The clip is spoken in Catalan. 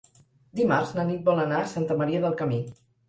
Dimarts na Nit vol anar a Santa Maria del Camí.